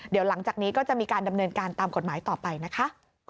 เดี๋ยวหลังจากนี้ก็จะมีการดำเนินการตามกฎหมายต่อไปนะคะ